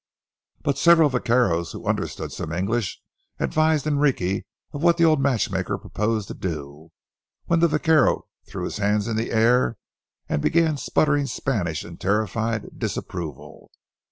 But several vaqueros, who understood some English, advised Enrique of what the old matchmaker proposed to do, when the vaquero threw his hands in the air and began sputtering Spanish in terrified disapproval.